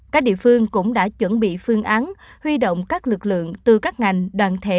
các địa phương cũng đã chuẩn bị phương án huy động các lực lượng từ các ngành đoàn thể